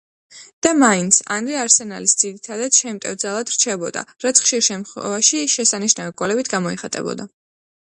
და მაინც, ანრი არსენალის ძირითად შემტევ ძალად რჩებოდა, რაც ხშირ შემთხვევაში შესანიშნავი გოლებით გამოიხატებოდა.